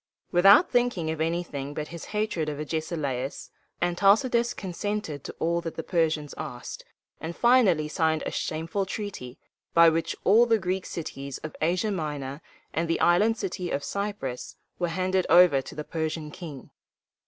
Without thinking of anything but his hatred of Agesilaus, Antalcidas consented to all that the Persians asked, and finally signed a shameful treaty, by which all the Greek cities of Asia Minor and the Island of Cy´prus were handed over to the Persian king.